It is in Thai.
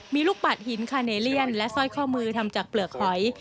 มีลูกปัดหินคาเนเลียนและสร้อยข้อมือทำจากเปลือกหอย